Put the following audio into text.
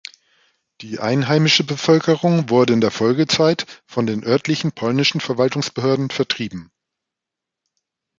Die einheimische Bevölkerung wurde in der Folgezeit von den örtlichen polnischen Verwaltungsbehörden vertrieben.